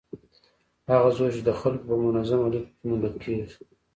هغه زور چې د خلکو په منظمو لیکو کې موندل کېږي.